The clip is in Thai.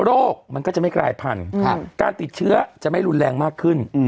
มันก็จะไม่กลายพันธุ์การติดเชื้อจะไม่รุนแรงมากขึ้น